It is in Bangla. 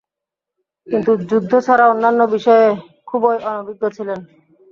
কিন্তু যুদ্ধ ছাড়া অন্যান্য বিষয়ে খুবই অনভিজ্ঞ ছিলেন।